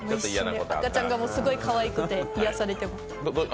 赤ちゃんがすごいかわいくて癒やされてます。